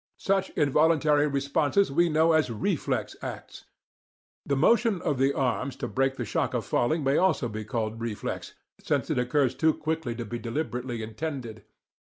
Such involuntary responses we know as 'reflex' acts. The motion of the arms to break the shock of falling may also be called reflex, since it occurs too quickly to be deliberately intended.